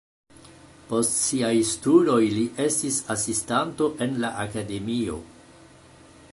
Post siaj studoj li estis asistanto en la akademio.